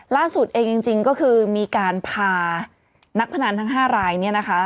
ล่าสุดเองจริงก็คือมีการพานักพนันทั้ง๕รายเนี่ยนะคะ